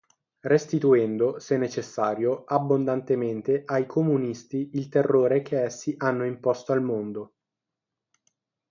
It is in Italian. Restituendo, se necessario, abbondantemente ai comunisti il terrore che essi hanno imposto al mondo.